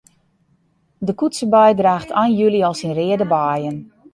De koetsebei draacht ein july al syn reade beien.